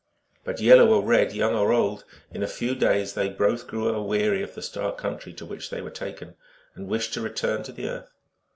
But yellow or red, young or old, in a few days they both grew a weary of the star country to which they were taken, and wished to return to the earth.